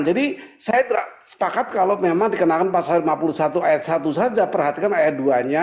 jadi saya tersepakat kalau memang dikenakan pasal lima puluh satu ayat satu saja perhatikan ayat dua nya